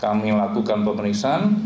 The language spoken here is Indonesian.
kami lakukan pemeriksaan